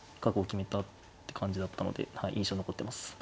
決めたって感じだったので印象に残ってます。